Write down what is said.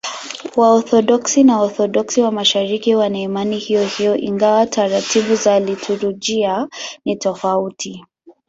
Waorthodoksi na Waorthodoksi wa Mashariki wana imani hiyohiyo, ingawa taratibu za liturujia ni tofauti.